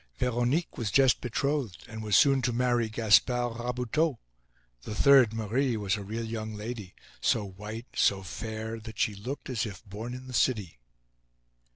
Veronique was just betrothed, and was soon to marry Gaspard Rabuteau. The third, Marie, was a real young lady, so white, so fair, that she looked as if born in the city.